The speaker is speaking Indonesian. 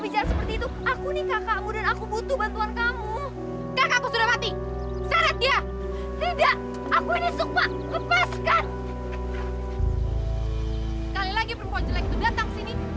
jangan lupa berlangganan